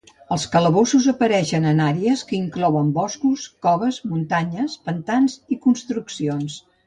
Els calabossos apareixen en àrees que inclouen boscos, coves, muntanyes, pantans i construccions.